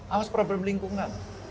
awas problem lingkungan